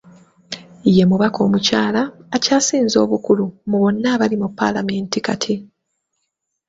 Ye mubaka omukyala akyasinze obukulu mu bonna abali mu paalamenti kati.